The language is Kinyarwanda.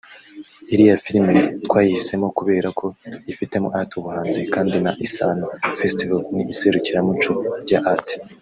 Iriya filime twayihisemo kubera ko yifitemo art [ubuhanzi] kandi na Isaano Festival ni iserukiramuco rya art